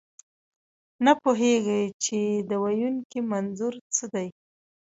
نه پوهېږئ، چې د ویونکي منظور څه دی.